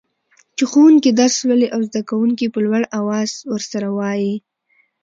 چي ښوونکي درس لولي او زده کوونکي يي په لوړ اواز ورسره وايي.